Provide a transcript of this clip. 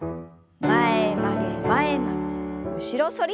前曲げ前曲げ後ろ反り。